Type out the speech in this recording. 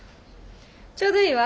ちょうどいいわ。